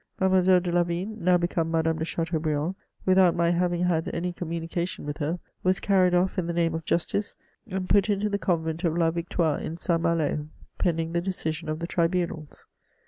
Mademoiselle de Lavigne, now become Madame de Chateaubriand, without my having had any communication with her, was carried off in the name of justice, and put into the convent of La Victoire in St. Malo, pending the decision of the tribunals.